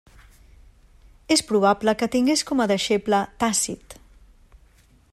És probable que tingués com a deixeble Tàcit.